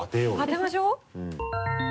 当てましょう。